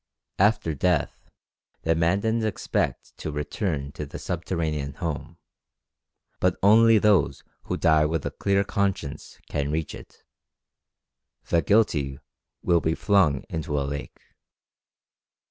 After death the Mandans expect to return to their subterranean home, but only those who die with a clear conscience can reach it; the guilty will be flung into a lake.